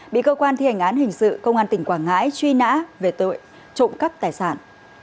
bị cơ quan thi hành án hình sự công an tỉnh quảng ngãi truy nã về tội trộm cắp tài sản